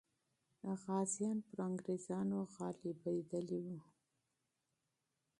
غازیان پر انګریزانو غالبېدلې وو.